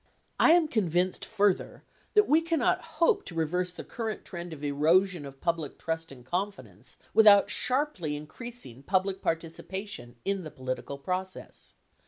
I am convinced further that we cannot hope to reverse the current trend of erosion of public trust and confidence without sharply in creasing public participation in the political process.